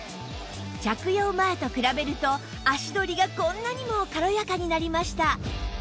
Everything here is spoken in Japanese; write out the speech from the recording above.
着用前と比べると足取りがこんなにも軽やかになりました